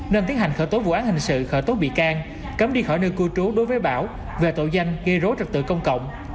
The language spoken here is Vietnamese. nên tiến hành khởi tố vụ án hình sự khởi tố bị can cấm đi khỏi nơi cư trú đối với bảo về tội danh gây rối trật tự công cộng